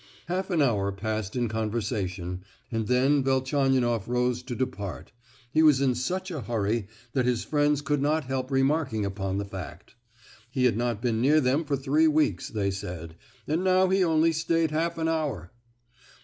Half an hour passed in conversation, and then Velchaninoff rose to depart: he was in such a hurry, that his friends could not help remarking upon the fact. He had not been near them for three weeks, they said, and now he only stayed half an hour!